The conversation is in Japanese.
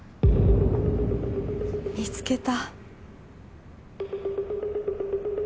見つけた。